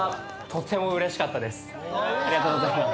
ありがとうございます。